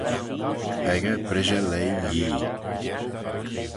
Peccah brishey leigh Yee.